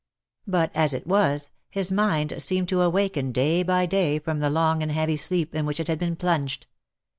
But as it was, his mind seemed to awaken day by day from the long and heavy sleep in which it had been plunged.